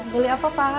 beli apa pak